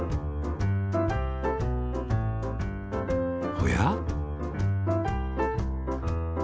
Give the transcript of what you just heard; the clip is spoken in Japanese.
おや？